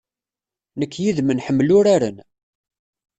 Nekk yid-m nḥemmel uraren.